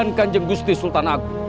dan kanjeng gusti sultan agung